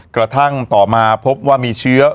กระทั่งต่อมาพบว่ามีเชื้อ